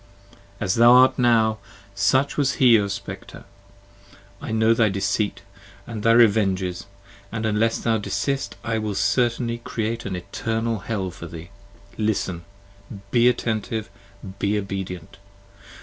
As thou art now, such was he O Spectre. I know thy deceit & thy revenges, and unless thou desist I will certainly create an eternal Hell for thee. Listen! Be attentive! be obedient!